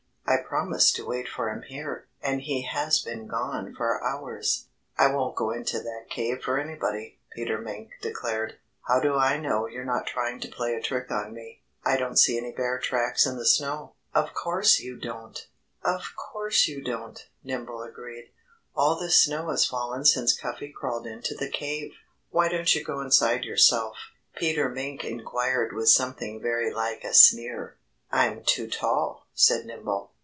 I promised to wait for him here. And he has been gone for hours." "I won't go into that cave for anybody," Peter Mink declared. "How do I know you're not trying to play a trick on me? I don't see any Bear tracks in the snow." "Of course you don't!" Nimble agreed. "All this snow has fallen since Cuffy crawled into the cave." "Why don't you go inside yourself?" Peter Mink inquired with something very like a sneer. "I'm too tall," said Nimble.